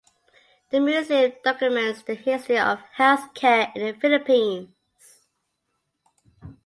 The museum documents the history of healthcare in the Philippines.